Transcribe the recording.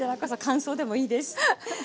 乾燥でもいいです。